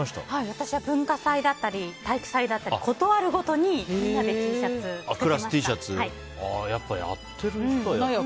私は文化祭だったり体育祭だったりことあるごとにＴシャツ作ってました。